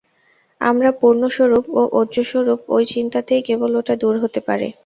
আমরা পূর্ণস্বরূপ ও ওজঃস্বরূপ, এই চিন্তাতেই কেবল ওটা দূর হতে পারে।